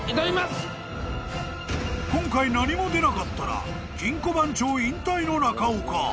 ［今回何も出なかったら金庫番長引退の中岡］